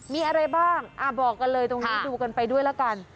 มีอะไรบ้างบอกกันเลยตรงนี้ดูกันไปด้วยละกัน